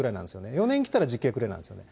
４年くれば、実刑くれなんですよね。